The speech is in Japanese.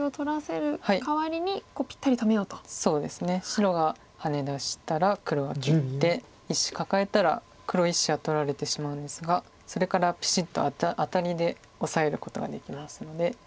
白がハネ出したら黒は切って１子カカえたら黒１子は取られてしまうんですがそれからピシッとアタリでオサえることができますので。